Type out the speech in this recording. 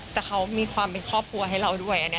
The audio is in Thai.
แต่เขามีความเป็นครอบครัวให้เราด้วย